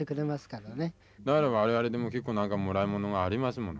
我々でも結構何かもらいものがありますもの。